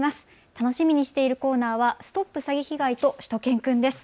楽しみにしているコーナーはＳＴＯＰ詐欺被害！としゅと犬くんです。